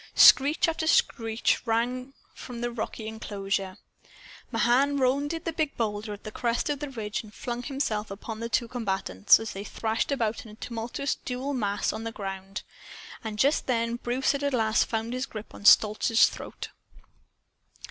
Screech after screech rang from the rocky enclosure. Mahan rounded the big boulder at the crest of the ridge and flung himself upon the two combatants, as they thrashed about in a tumultuous dual mass on the ground. And just then Bruce at last found his grip on Stolz's throat.